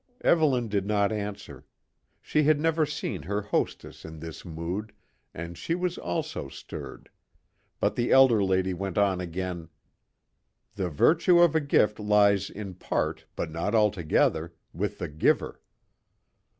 Evelyn did not answer. She had never seen her hostess in this mood, and she was also stirred; but the elder lady went on again: "The virtue of a gift lies in part, but no altogether, with the giver.